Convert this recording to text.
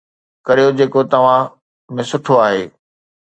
ڪريو جيڪو توهان ۾ سٺو آهي